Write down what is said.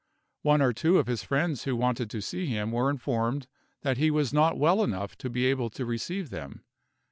One or two of his friends who wanted to see him were informed that he was not well enough to be able to receive them.